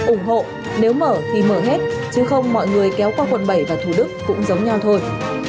ủng hộ nếu mở thì mở hết chứ không mọi người kéo qua quận bảy và thủ đức cũng giống nhau thôi